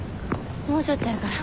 もうちょっとやから。